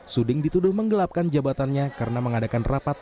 suding dituduh menggelapkan jabatannya karena mengadakan rapat